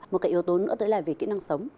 một cái yếu tố nữa đó là về kỹ năng sống